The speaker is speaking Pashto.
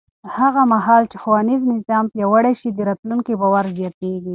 هغه مهال چې ښوونیز نظام پیاوړی شي، د راتلونکي باور زیاتېږي.